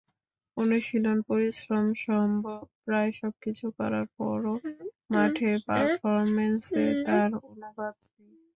অনুশীলন, পরিশ্রম—সম্ভব প্রায় সবকিছু করার পরও মাঠের পারফরম্যান্সে তার অনুবাদ নেই।